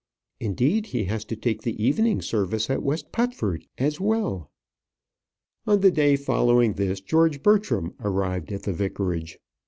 Indeed, he has to take the evening service at West Putford as well." On the day following this, George Bertram arrived at the vicarage.